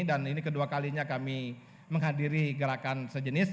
ini kedua kalinya kami menghadiri gerakan sejenis